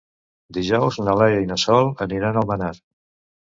Dijous na Laia i na Sol aniran a Almenar.